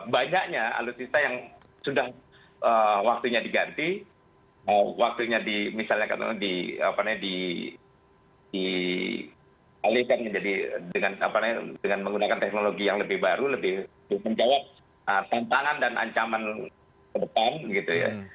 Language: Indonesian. banyaknya alutsista yang sudah waktunya diganti waktunya misalnya dikhalifkan dengan menggunakan teknologi yang lebih baru lebih menjawab tantangan dan ancaman ke depan